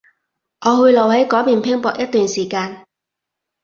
我會留喺嗰邊拼搏一段長時間